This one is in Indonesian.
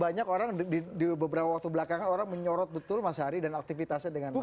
karena orang di beberapa waktu belakangan orang menyorot betul mas ari dan aktivitasnya dengan mas wendo